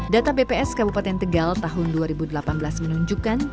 data bps kabupaten tegal tahun dua ribu delapan belas menunjukkan